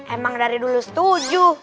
emang dari dulu setuju